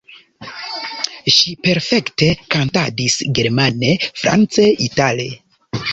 Ŝi perfekte kantadis germane, france, itale.